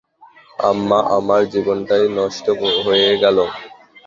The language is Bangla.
আম্মা আমার জীবনটাই নষ্ট হয়ে গেলো।